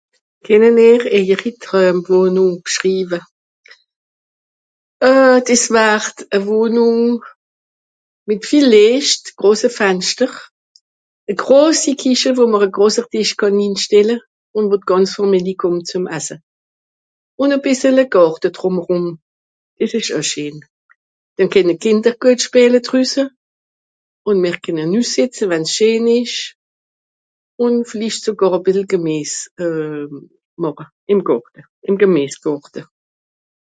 kennen er eijeri treumwòhnùng b'schriwe euh des wart à wòhnùng mìt viel leecht grosse fanschter à grossi kiche wò mr à grosse tisch kànn ninstelle ùn wo d'gànz fàmili kommt zum asse ùn à bìssele gàrte drùmerùm des esch eu scheen nò kenne kìnder geut schpeele drüsse ùn mer kenne drüss sìtze wann scheen esch ùn villicht sogàr à bìssel gemiess euh màche ìm gàrte ìm gemiessgàrte